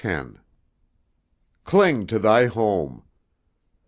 X Cling to thy home!